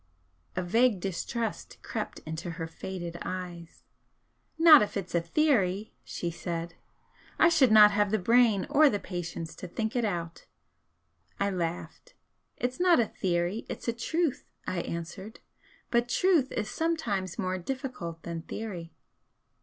A vague distrust crept into her faded eyes. "Not if it's a theory!" she said "I should not have the brain or the patience to think it out." I laughed. "It's not a theory, it's a truth" I answered "But truth is sometimes more difficult than theory."